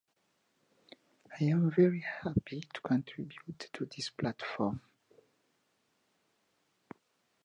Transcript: She translated French documents and trained as a paralegal in the probate department.